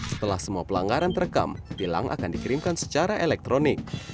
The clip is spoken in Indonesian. setelah semua pelanggaran terekam tilang akan dikirimkan secara elektronik